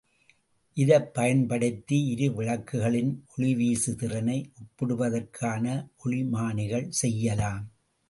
இதைப் பயன்படுத்தி இரு விளக்குகளின் ஒளிவீசு திறனை ஒப்பிடுவதற்கான ஒளிமானிகள் செய்யலாம்.